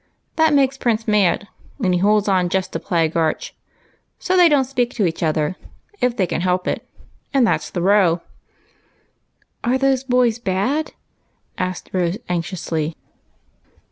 That makes Prince mad, and he holds on just to plague Arch, so they don't speak to one another, if they can help it, and that 's the row." " Are those boys bad ?" asked Rose, anxiously.